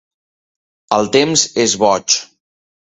El temps és boig.